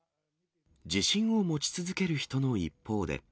自信を持ち続ける人の一方で。